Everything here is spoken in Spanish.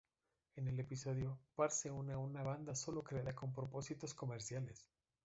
En el episodio, Bart se une a una banda sólo creada con propósitos comerciales.